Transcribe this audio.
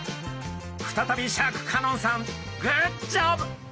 再びシャーク香音さんグッジョブ！